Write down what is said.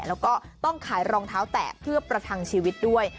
แล้วก็ต้องขายรองเท้าแตะเพื่อประทังชีวิตด้วย